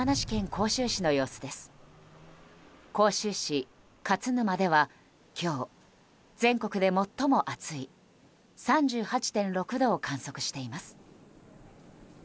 甲州市勝沼では今日全国で最も暑い３８．６度を観測しています。